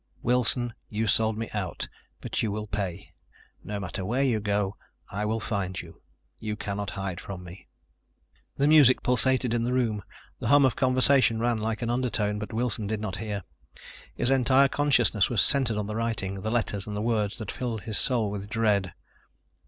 Wilson, you sold me out. But you will pay. No matter where you go, I will find you. You cannot hide from me. The music pulsated in the room, the hum of conversation ran like an undertone, but Wilson did not hear. His entire consciousness was centered on the writing, the letters and the words that filled his soul with dread.